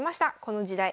この時代。